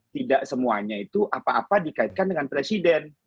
tidak semuanya itu apa apa dikaitkan dengan presiden